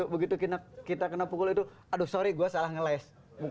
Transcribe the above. begitu kita kena pukul itu aduh sorry gue salah ngeles